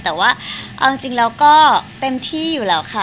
แต่ว่าเอาจริงแล้วก็เต็มที่อยู่แล้วค่ะ